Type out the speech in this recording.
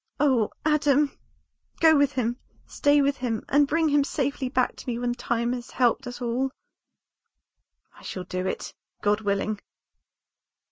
"Oh, Adam! go with him, stay with him, and bring him safely back to me when time has helped us all." "I shall do it, God willing."